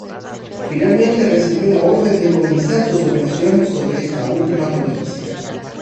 Finalmente recibió la orden de comenzar sus operaciones sobre esta última provincia.